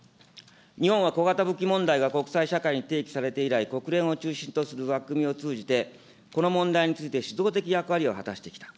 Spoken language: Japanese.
日本は小型武器問題が国際社会に提起されて以来、国連を中心とする枠組みを通じて、この問題について主導的役割を果たしてきた。